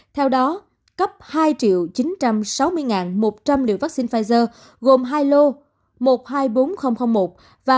theo đó cấp hai chín trăm sáu mươi một trăm linh liều vaccine pfizer gồm hai lô một trăm hai mươi bốn nghìn một và một trăm hai mươi ba nghìn hai